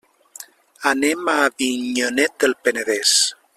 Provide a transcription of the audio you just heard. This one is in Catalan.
Anem a Avinyonet del Penedès.